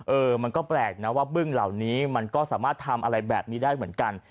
เออมันก็แปลกนะว่าบึ้งเหล่านี้มันก็สามารถทำอะไรแบบนี้ได้เหมือนกัน